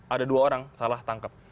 ada dua orang salah tangkap